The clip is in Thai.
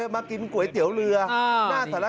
มาแล้ว